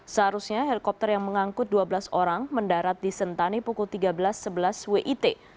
seharusnya helikopter yang mengangkut dua belas orang mendarat di sentani pukul tiga belas sebelas wit